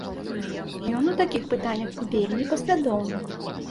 Ён у такіх пытаннях вельмі паслядоўны.